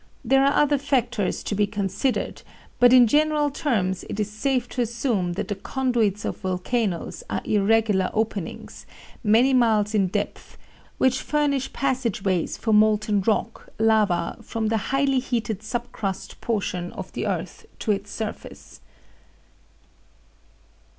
There are other factors to be considered, but in general terms it is safe to assume that the conduits of volcanoes are irregular openings, many miles in depth, which furnish passageways for molten rock (lava) from the highly heated sub crust portion of the earth to its surface.